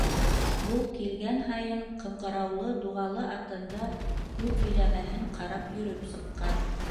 Ул килгән һайын ҡыңғыраулы дуғалы атында үҙ биләмәһен ҡарап йөрөп сыҡҡан.